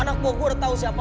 anak gua gua udah tau siapa lu